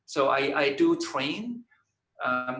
jadi saya melakukan pengamalan